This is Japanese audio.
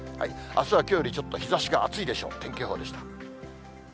あすはきょうよりちょっと日ざしが暑いでしょう。